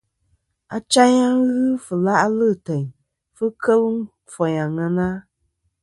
Achayn a ghɨ fɨ la'lɨ teyn fɨ kel foyn àŋena.